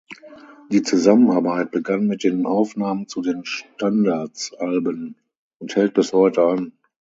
Die Zusammenarbeit begann mit den Aufnahmen zu den "Standards"-Alben und hält bis heute an.